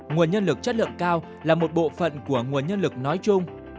nguồn nhân lực chất lượng cao là một bộ phận của nguồn nhân lực nói chung